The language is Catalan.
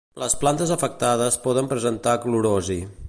Les plantes afectades poden presentar clorosi.